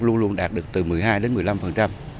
luôn luôn đạt được từ một mươi hai đến một mươi năm